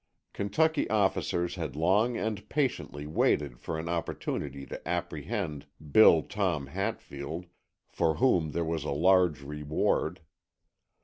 Kentucky officers had long and patiently waited for an opportunity to apprehend Bill Tom Hatfield, for whom there was a large reward.